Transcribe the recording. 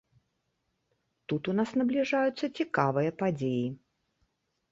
Тут у нас набліжаюцца цікавыя падзеі.